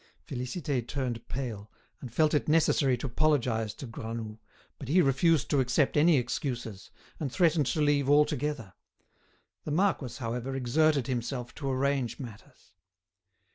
'" Félicité turned pale, and felt it necessary to apologise to Granoux, but he refused to accept any excuses, and threatened to leave altogether. The marquis, however, exerted himself to arrange matters.